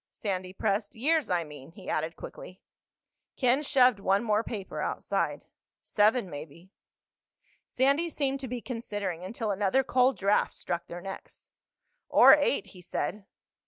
Sandy pressed. "Years, I mean," he added quickly. Ken shoved one more paper outside. "Seven maybe." Sandy seemed to be considering, until another cold draft struck their necks. "Or eight," he said.